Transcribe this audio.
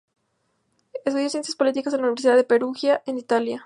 Estudió ciencias políticas en la Universidad de Perugia, en Italia.